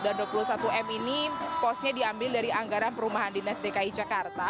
dan dua puluh satu miliar ini posnya diambil dari anggaran perumahan dki jakarta